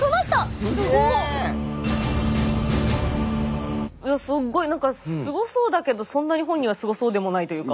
えっすっごい何かすごそうだけどそんなに本人はすごそうでもないというか。